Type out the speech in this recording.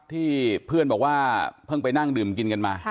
ที่เพื่อนบอกว่าเพิ่งไปนั่งดื่มกินกันมา